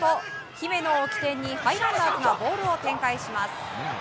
姫野を起点にハイランダーズがボールを展開します。